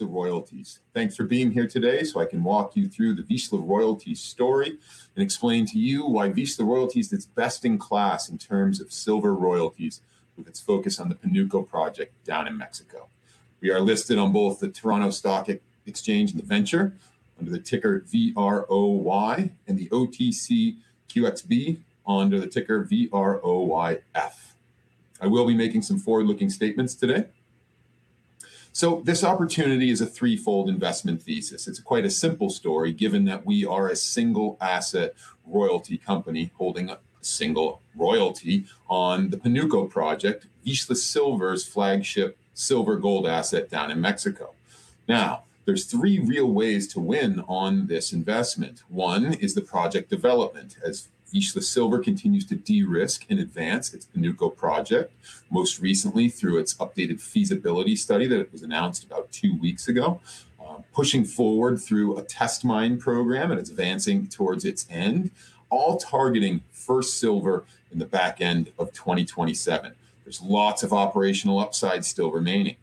Vizsla Royalties. Thanks for being here today so I can walk you through the Vizsla Royalties story and explain to you why Vizsla Royalties is best in class in terms of silver royalties with its focus on the Panuco project down in Mexico. We are listed on both the Toronto Stock Exchange and the Venture under the ticker VROY and the OTCQB under the ticker VROYF. I will be making some forward-looking statements today. This opportunity is a threefold investment thesis. It's quite a simple story given that we are a single asset royalty company holding a single royalty on the Panuco project, Vizsla Silver's flagship silver-gold asset down in Mexico. Now, there are three real ways to win on this investment. One is the project development as Vizsla Silver continues to de-risk and advance its Panuco project, most recently through its updated feasibility study that was announced about two weeks ago, pushing forward through a test mining program and advancing towards its end, all targeting first silver in the back end of 2027. There's lots of operational upside still remaining.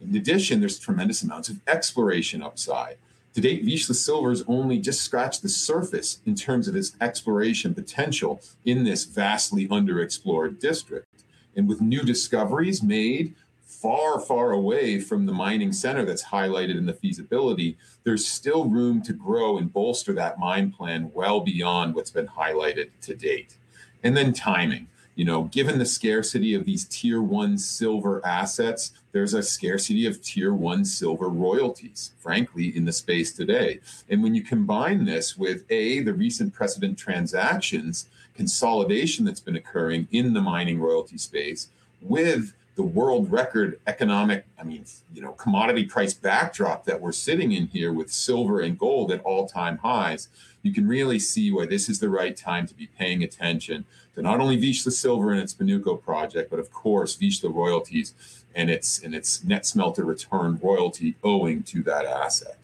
In addition, there are tremendous amounts of exploration upside. To date, Vizsla Silver has only just scratched the surface in terms of its exploration potential in this vastly underexplored district. With new discoveries made far, far away from the mining center that's highlighted in the feasibility, there's still room to grow and bolster that mine plan well beyond what's been highlighted to date. Then timing. You know, given the scarcity of these tier one silver assets, there's a scarcity of tier one silver royalties, frankly, in the space today. When you combine this with a the recent precedent transactions consolidation that's been occurring in the mining royalty space with the world record economic, I mean, you know, commodity price backdrop that we're sitting in here with silver and gold at all-time highs, you can really see why this is the right time to be paying attention to not only Vizsla Silver and its Panuco project, but of course, Vizsla Royalties and its net smelter return royalty on that asset.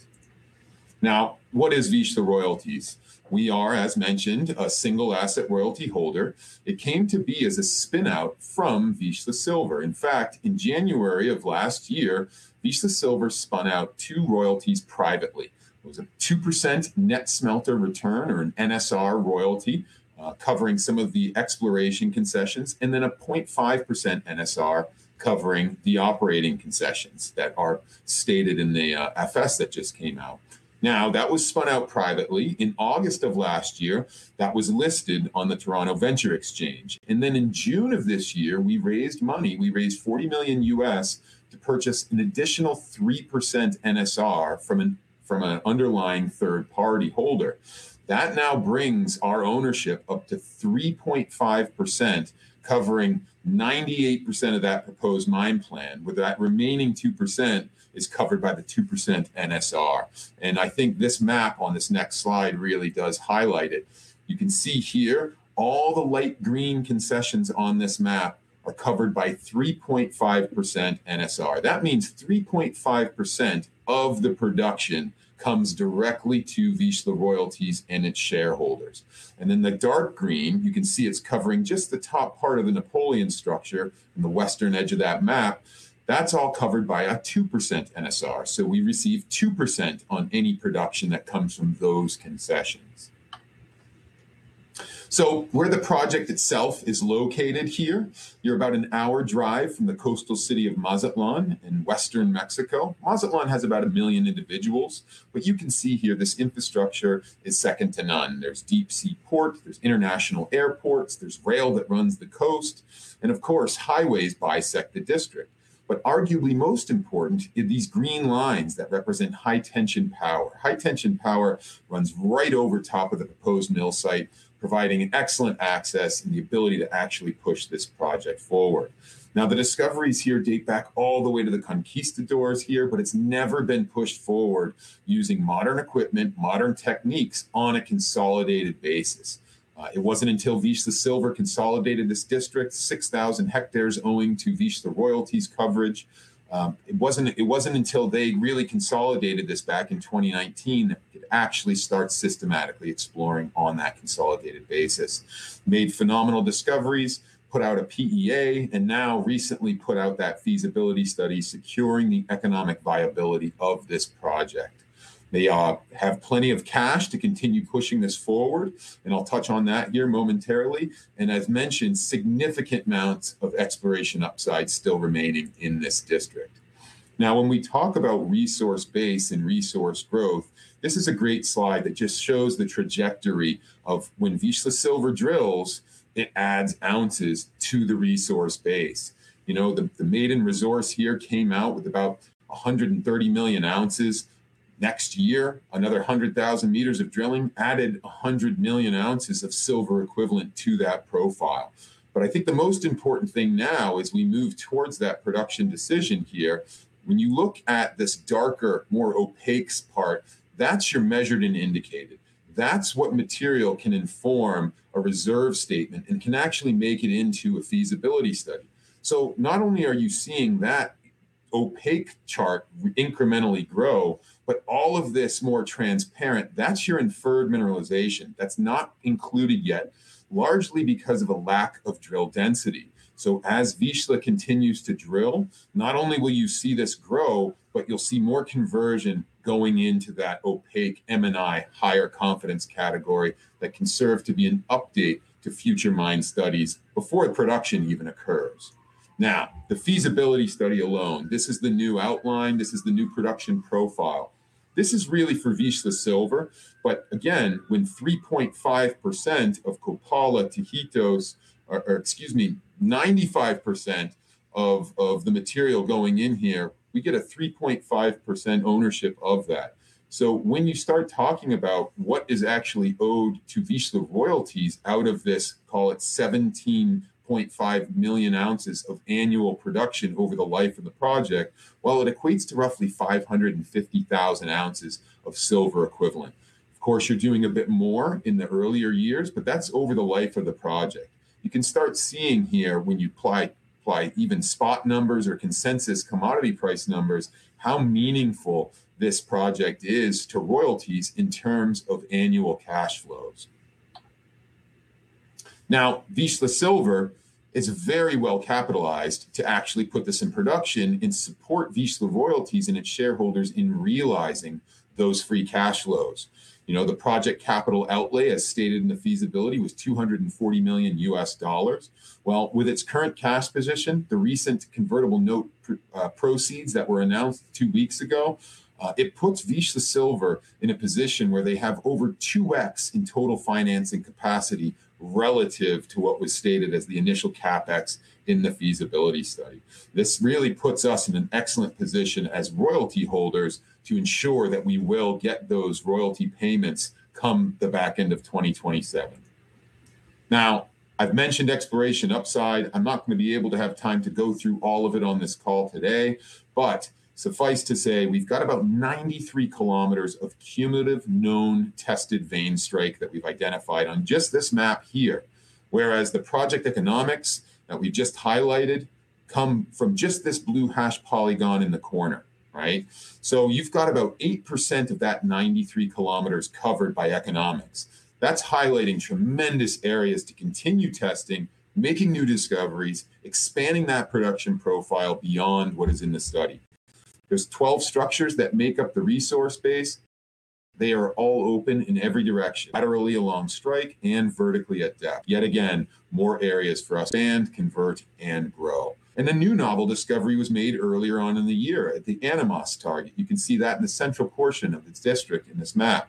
Now, what is Vizsla Royalties? We are, as mentioned, a single asset royalty holder. It came to be as a spinout from Vizsla Silver. In fact, in January of last year, Vizsla Silver spun out two royalties privately. It was a 2% net smelter return or an NSR royalty covering some of the exploration concessions and then a 0.5% NSR covering the operating concessions that are stated in the FS that just came out. Now, that was spun out privately in August of last year. That was listed on the TSX Venture Exchange. Then in June of this year, we raised money. We raised $40 million to purchase an additional 3% NSR from an underlying third-party holder. That now brings our ownership up to 3.5%, covering 98% of that proposed mine plan, where that remaining 2% is covered by the 2% NSR. I think this map on this next slide really does highlight it. You can see here all the light green concessions on this map are covered by 3.5% NSR. That means 3.5% of the production comes directly to Vizsla Royalties and its shareholders. Then the dark green, you can see it's covering just the top part of the Napoleon structure in the western edge of that map. That's all covered by a 2% NSR. We receive 2% on any production that comes from those concessions. Where the project itself is located here, you're about an hour drive from the coastal city of Mazatlán in western Mexico. Mazatlán has about a million individuals, but you can see here this infrastructure is second to none. There's deep-sea ports, there's international airports, there's rail that runs the coast, and of course, highways bisect the district. But arguably most important are these green lines that represent high-voltage transmission lines. high-voltage transmission lines runs right over top of the proposed mill site, providing excellent access and the ability to actually push this project forward. Now, the discoveries here date back all the way to the conquistadors here, but it's never been pushed forward using modern equipment, modern techniques on a consolidated basis. It wasn't until Vizsla Silver consolidated this district, 6,000 hectares owing to Vizsla Royalties coverage. It wasn't until they really consolidated this back in 2019 that we could actually start systematically exploring on that consolidated basis. Made phenomenal discoveries, put out a PEA, and now recently put out that feasibility study securing the economic viability of this project. They have plenty of cash to continue pushing this forward, and I'll touch on that here momentarily. As mentioned, significant amounts of exploration upside still remaining in this district. Now, when we talk about resource base and resource growth, this is a great slide that just shows the trajectory of when Vizsla Silver drills, it adds ounces to the resource base. You know, the maiden resource here came out with about 130 million ounces. Next year, another 100,000 meters of drilling added 100 million ounces of silver equivalent to that profile. But I think the most important thing now as we move towards that production decision here, when you look at this darker, more opaque part, that's your measured and indicated. That's what material can inform a reserve statement and can actually make it into a feasibility study. Not only are you seeing that opaque chart incrementally grow, but all of this more transparent, that's your inferred mineralization. That's not included yet, largely because of a lack of drill density. As Vizsla continues to drill, not only will you see this grow, but you'll see more conversion going into that opaque M&I higher confidence category that can serve to be an update to future mine studies before production even occurs. Now, the feasibility study alone, this is the new outline. This is the new production profile. This is really for Vizsla Silver. But again, when 3.5% of Copala-Tajitos, or excuse me, 95% of the material going in here, we get a 3.5% ownership of that. When you start talking about what is actually owed to Vizsla Royalties out of this, call it 17.5 million ounces of annual production over the life of the project, well, it equates to roughly 550,000 ounces of silver equivalent. Of course, you're doing a bit more in the earlier years, but that's over the life of the project. You can start seeing here when you apply even spot numbers or consensus commodity price numbers, how meaningful this project is to royalties in terms of annual cash flows. Now, Vizsla Silver is very well capitalized to actually put this in production and support Vizsla Royalties and its shareholders in realizing those free cash flows. You know, the project capital outlay, as stated in the feasibility, was $240 million. Well, with its current cash position, the recent convertible note proceeds that were announced two weeks ago, it puts Vizsla Silver in a position where they have over 2x in total financing capacity relative to what was stated as the initial CapEx in the feasibility study. This really puts us in an excellent position as royalty holders to ensure that we will get those royalty payments come the back end of 2027. Now, I've mentioned exploration upside. I'm not going to be able to have time to go through all of it on this call today, but suffice to say, we've got about 93 km of cumulative known tested vein strike that we've identified on just this map here, whereas the project economics that we've just highlighted come from just this blue hash polygon in the corner, right? So you've got about 8% of that 93 km covered by economics. That's highlighting tremendous areas to continue testing, making new discoveries, expanding that production profile beyond what is in the study. There's 12 structures that make up the resource base. They are all open in every direction, laterally along strike and vertically at depth. Yet again, more areas for us to expand, convert, and grow. A new novel discovery was made earlier on in the year at the Animas target. You can see that in the central portion of this district in this map.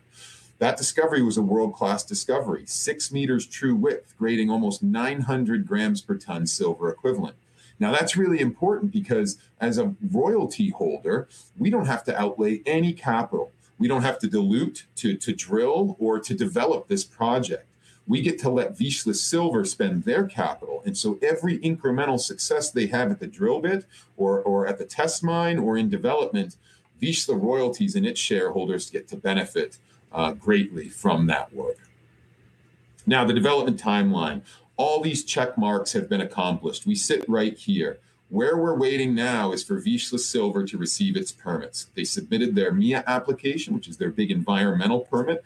That discovery was a world-class discovery, 6 m true width, grading almost 900 g/t silver equivalent. Now, that's really important because as a royalty holder, we don't have to outlay any capital. We don't have to dilute to drill or to develop this project. We get to let Vizsla Silver spend their capital. Every incremental success they have at the drill bit or at the test mine or in development, Vizsla Royalties and its shareholders get to benefit greatly from that work. Now, the development timeline. All these checkmarks have been accomplished. We sit right here. Where we're waiting now is for Vizsla Silver to receive its permits. They submitted their MIA application, which is their big environmental permit,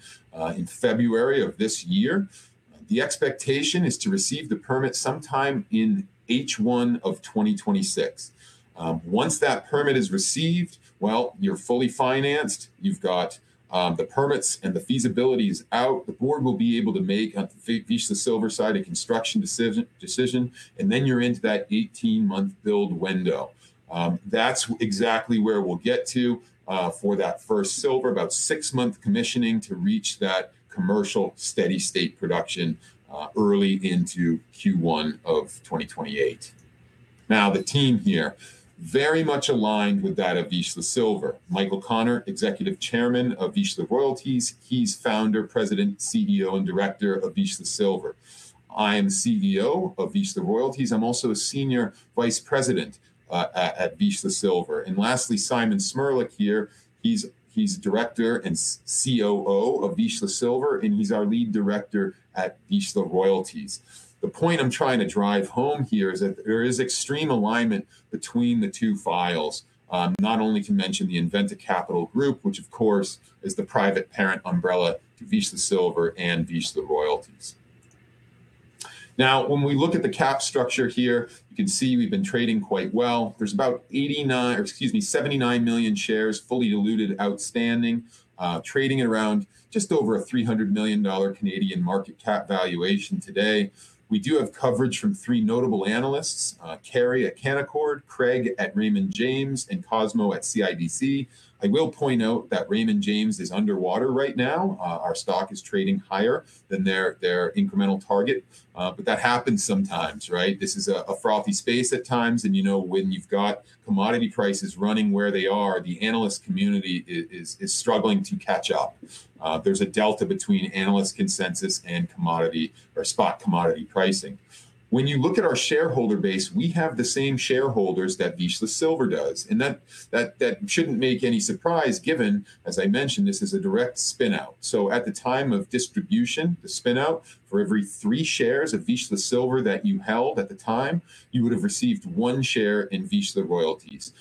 in February of this year. The expectation is to receive the permit sometime in H1 of 2026. Once that permit is received, well, you're fully financed, you've got the permits and the feasibility is out, the board will be able to make on Vizsla Silver side a construction decision, and then you're into that 18-month build window. That's exactly where we'll get to for that first silver, about six-month commissioning to reach that commercial steady-state production early into Q1 of 2028. Now, the team here, very much aligned with that of Vizsla Silver. Michael Konnert, Executive Chairman of Vizsla Royalties. He's founder, President, CEO, and Director of Vizsla Silver. I am the CEO of Vizsla Royalties. I'm also a senior vice president at Vizsla Silver. Lastly, Simon Cmrlec here. He's Director and COO of Vizsla Silver, and he's our lead director at Vizsla Royalties. The point I'm trying to drive home here is that there is extreme alignment between the two files, not only to mention the Inventa Capital Group, which of course is the private parent umbrella to Vizsla Silver and Vizsla Royalties. Now, when we look at the cap structure here, you can see we've been trading quite well. There's about 89, or excuse me, 79 million shares fully diluted outstanding, trading at around just over 300 million Canadian dollars market cap valuation today. We do have coverage from three notable analysts, Carey at Canaccord, Craig at Raymond James, and Cosmos at CIBC. I will point out that Raymond James is underwater right now. Our stock is trading higher than their incremental target. But that happens sometimes, right? This is a frothy space at times. You know, when you've got commodity prices running where they are, the analyst community is struggling to catch up. There's a delta between analyst consensus and commodity or spot commodity pricing. When you look at our shareholder base, we have the same shareholders that Vizsla Silver does. That shouldn't be any surprise given, as I mentioned, this is a direct spinout. So at the time of distribution, the spinout for every three shares of Vizsla Silver that you held at the time, you would have received one share in Vizsla Royalties.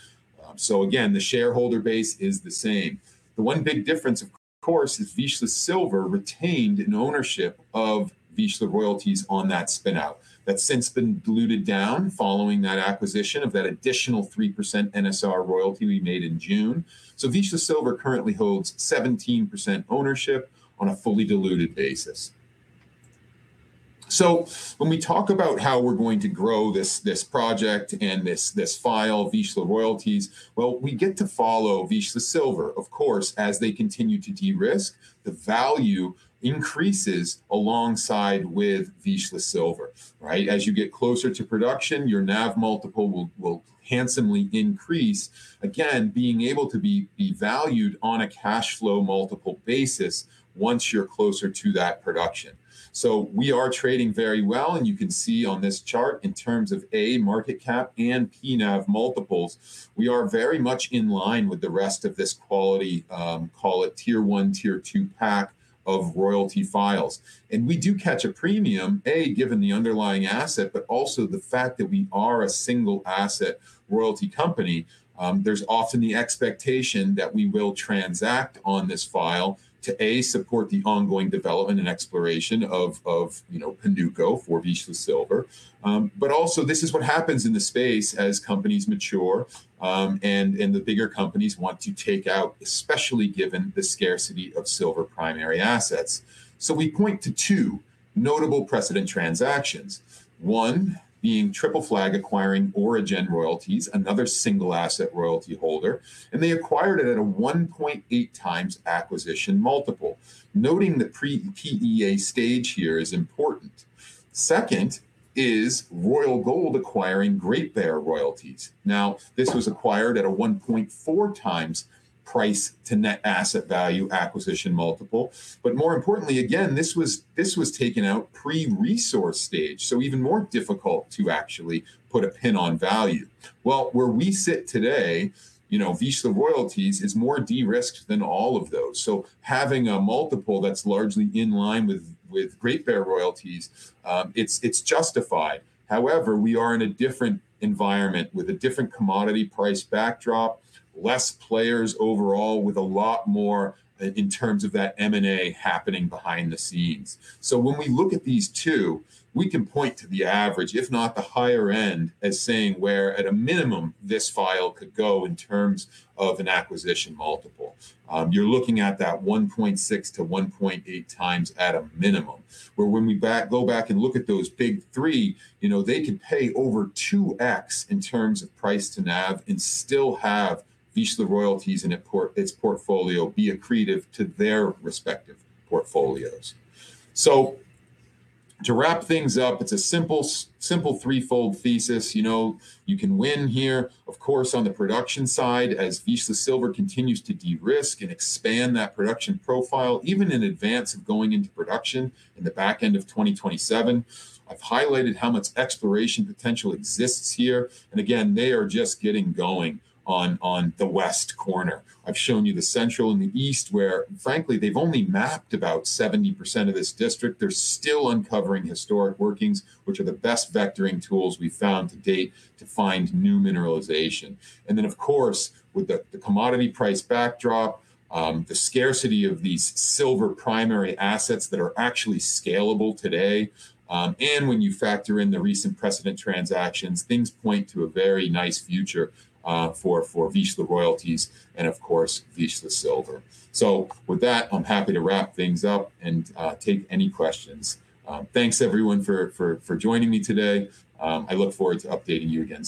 So again, the shareholder base is the same. The one big difference, of course, is Vizsla Silver retained an ownership of Vizsla Royalties on that spinout. That's since been diluted down following that acquisition of that additional 3% NSR royalty we made in June. So Vizsla Silver currently holds 17% ownership on a fully diluted basis. When we talk about how we're going to grow this project and this file, Vizsla Royalties, well, we get to follow Vizsla Silver, of course, as they continue to de-risk, the value increases alongside with Vizsla Silver, right? As you get closer to production, your NAV multiple will handsomely increase, again, being able to be valued on a cash flow multiple basis once you're closer to that production. We are trading very well. You can see on this chart in terms of market cap and PNAV multiples, we are very much in line with the rest of this quality, call it tier one, tier two pack of royalty files. We do catch a premium, given the underlying asset, but also the fact that we are a single asset royalty company. There's often the expectation that we will transact on this file to a support the ongoing development and exploration of Panuco for Vizsla Silver. But also, this is what happens in the space as companies mature and the bigger companies want to take out, especially given the scarcity of silver primary assets. We point to two notable precedent transactions. One being Triple Flag acquiring Origen Royalties, another single asset royalty holder, and they acquired it at a 1.8 times acquisition multiple. Noting the PEA stage here is important. Second is Royal Gold acquiring Great Bear Royalties. Now, this was acquired at a 1.4 times price to net asset value acquisition multiple. But more importantly, again, this was taken out pre-resource stage, so even more difficult to actually put a pin on value. Well, where we sit today, Vizsla Royalties is more de-risked than all of those. Having a multiple that's largely in line with Great Bear Royalties, it's justified. However, we are in a different environment with a different commodity price backdrop, less players overall with a lot more in terms of that M&A happening behind the scenes. When we look at these two, we can point to the average, if not the higher end, as saying where at a minimum this file could go in terms of an acquisition multiple. You're looking at that 1.6-1.8 times at a minimum. Where when we go back and look at those big three, you know, they could pay over 2x in terms of price to NAV and still have Vizsla Royalties in its portfolio be accretive to their respective portfolios. To wrap things up, it's a simple threefold thesis. You know, you can win here, of course, on the production side as Vizsla Silver continues to de-risk and expand that production profile, even in advance of going into production in the back end of 2027. I've highlighted how much exploration potential exists here. Again, they are just getting going on the west corner. I've shown you the central and the east where, frankly, they've only mapped about 70% of this district. They're still uncovering historic workings, which are the best vectoring tools we've found to date to find new mineralization. Then, of course, with the commodity price backdrop, the scarcity of these silver primary assets that are actually scalable today. When you factor in the recent precedent transactions, things point to a very nice future for Vizsla Royalties and, of course, Vizsla Silver. With that, I'm happy to wrap things up and take any questions. Thanks, everyone, for joining me today. I look forward to updating you again.